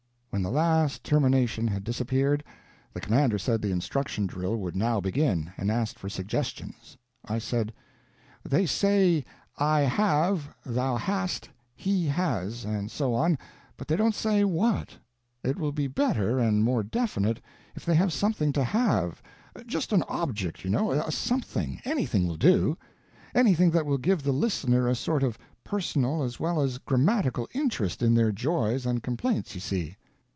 When the last Termination had disappeared, the commander said the instruction drill would now begin, and asked for suggestions. I said: "They say I have, thou hast, he has, and so on, but they don't say what. It will be better, and more definite, if they have something to have; just an object, you know, a something anything will do; anything that will give the listener a sort of personal as well as grammatical interest in their joys and complaints, you see."